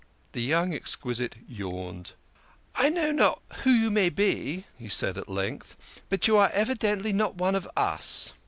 The young exquisite yawned. " I know not who you may be," he said at length, " but you are evidently not one of us.